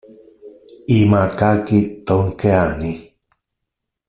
I macachi tonkeani.